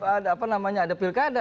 ada apa namanya ada pilkada